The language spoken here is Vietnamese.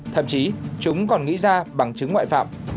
thậm chí chúng còn nghĩ ra bằng chứng ngoại phạm